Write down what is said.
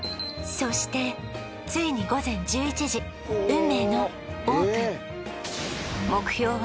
そしてついに午前１１時運命のオープン目標は